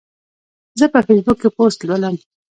زه په فیسبوک کې پوسټ لولم.